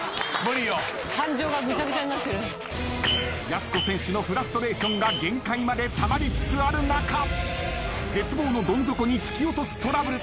やす子選手のフラストレーションが限界までたまりつつある中絶望のどん底に突き落とすトラブル。